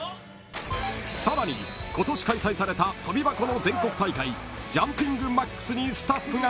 ［さらに今年開催された跳び箱の全国大会ジャンピングマックスにスタッフが潜入］